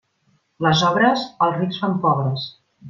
Les obres, als rics fan pobres.